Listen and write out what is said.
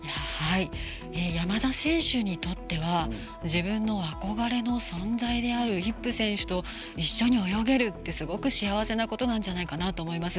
山田選手にとっては自分の憧れの存在であるイップ選手と一緒に泳げるってすごく幸せなことなんじゃないかなと思います。